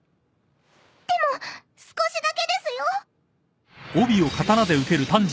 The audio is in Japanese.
でも少しだけですよ！